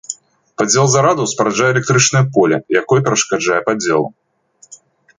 Падзел зарадаў спараджае электрычнае поле, якое перашкаджае падзелу.